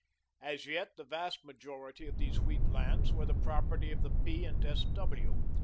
As yet, the vast majority of these wheat lands were the property of the P. and S. W.